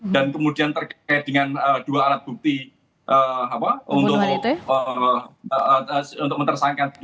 dan kemudian terkait dengan dua alat bukti untuk mentersangka